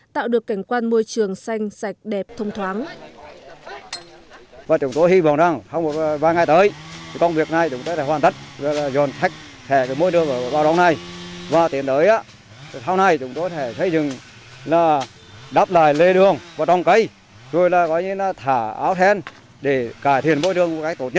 tạo được cảnh quan môi trường xanh sạch đẹp thông thoáng